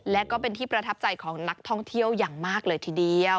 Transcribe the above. และก็เป็นที่ประทับใจของนักท่องเที่ยวอย่างมากเลยทีเดียว